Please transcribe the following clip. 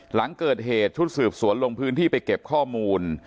หลังเกิดเหตุชุดสืบสวนลงพื้นที่ไปเก็บข้อมูล